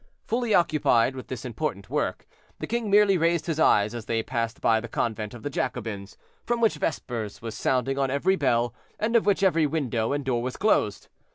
Fully occupied with this important work, the king merely raised his eyes as they passed by the convent of the Jacobins, from which vespers was sounding on every bell, and of which every window and door was closed.